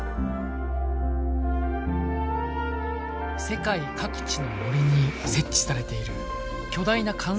世界各地の森に設置されている巨大な観測タワー。